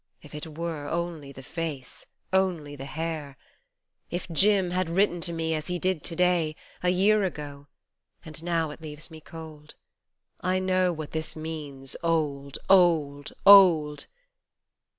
if it were Only the face, only the hair ! 4 2 If Jim had written to me as he did to day A year ago and now it leaves me cold I know what this means, old, old, old